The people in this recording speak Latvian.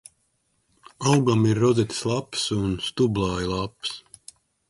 Augam ir rozetes lapas un stublāja lapas.